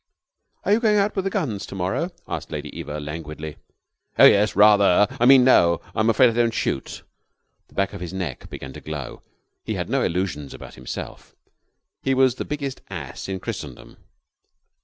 "Are you going out with the guns to morrow?" asked Lady Eva languidly. "Oh, yes, rather! I mean, no. I'm afraid I don't shoot." The back of his neck began to glow. He had no illusions about himself. He was the biggest ass in Christendom.